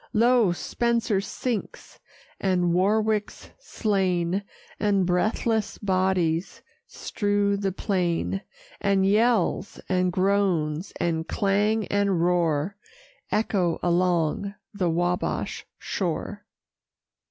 Lo! Spencer sinks, and Warwick's slain, And breathless bodies strew the plain: And yells, and groans, and clang, and roar, Echo along the Wabash shore.